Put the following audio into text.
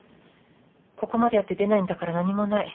ここまでやって出ないんだから何もない。